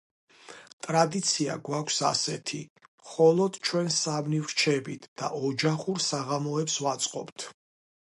ტრადიცია გვაქვს ასეთი – მხოლოდ ჩვენ სამნი ვრჩებით და ოჯახურ საღამოებს ვაწყობთ.